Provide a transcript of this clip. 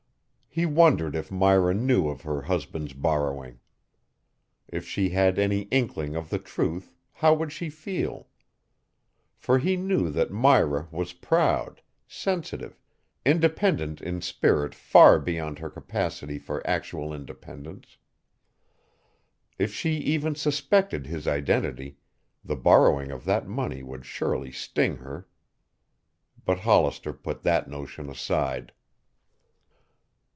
He wondered if Myra knew of her husband's borrowing. If she had any inkling of the truth, how would she feel? For he knew that Myra was proud, sensitive, independent in spirit far beyond her capacity for actual independence. If she even suspected his identity, the borrowing of that money would surely sting her. But Hollister put that notion aside.